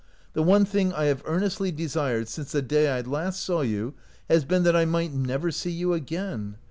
"The one thing I have earnestly desired since the day I last saw you has been that I might never see you again.